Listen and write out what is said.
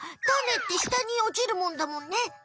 タネって下におちるもんだもんね。